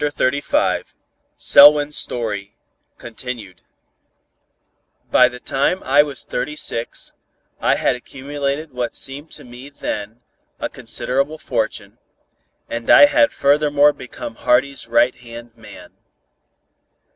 CHAPTER XXXV SELWYN'S STORY, CONTINUED By the time I was thirty six I had accumulated what seemed to me then, a considerable fortune, and I had furthermore become Hardy's right hand man.